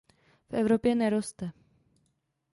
V Evropě neroste.